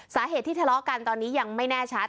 สาเหตุที่ทะเลาะกันตอนนี้ยังไม่แน่ชัด